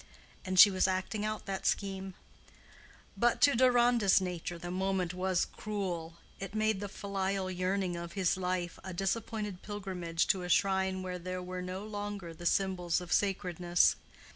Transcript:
And she was acting out that scheme. But to Deronda's nature the moment was cruel; it made the filial yearning of his life a disappointed pilgrimage to a shrine where there were no longer the symbols of sacredness.